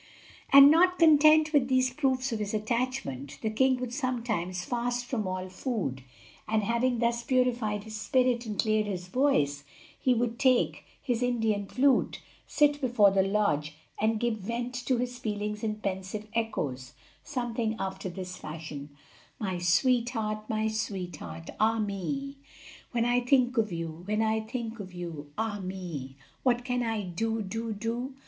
And not content with these proofs of his attachment, the king would sometimes fast from all food, and having thus purified his spirit and cleared his voice, he would take his Indian flute, sit before the lodge, and give vent to his feelings in pensive echoes, something after this fashion:= ````My sweetheart, ````My sweetheart, `````Ah me! ````When I think of you, ````When I think of you, `````Ah me! ````What can I do, do, do?